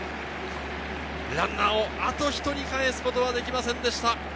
ランナーをあと１人かえすことはできませんでした。